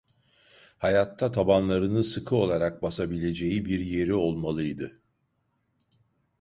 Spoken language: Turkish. Hayatta tabanlarını sıkı olarak basabileceği bir yeri olmalıydı.